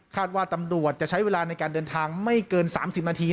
ว่าตำรวจจะใช้เวลาในการเดินทางไม่เกิน๓๐นาที